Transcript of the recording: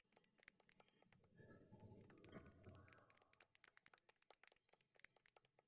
He was born to Rafael Larco Bruno and Josefina Herrera Medina.